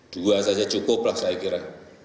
dua saja cukup lah saya kira